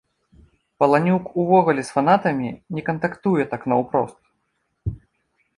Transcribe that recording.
Паланюк увогуле з фанатамі не кантактуе так наўпрост.